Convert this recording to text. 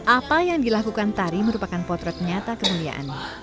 apa yang dilakukan tari merupakan potret nyata kemuliaannya